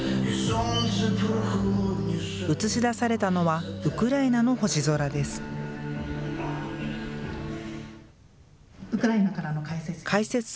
映し出されたのはウクライナの星空です。